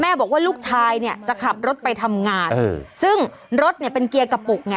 บอกว่าลูกชายเนี่ยจะขับรถไปทำงานซึ่งรถเนี่ยเป็นเกียร์กระปุกไง